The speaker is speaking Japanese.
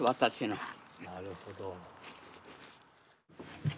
なるほど。